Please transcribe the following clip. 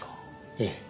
ええ。